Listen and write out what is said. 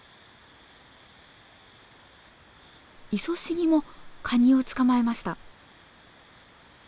イソシギもカニを捕まえました。